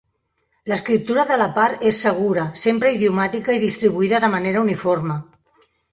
L'escriptura de la part és segura, sempre idiomàtica i distribuïda de manera uniforme.